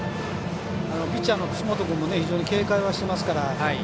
ピッチャーの楠本君も非常に警戒はしてますから。